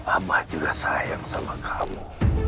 abah juga sayang sama kamu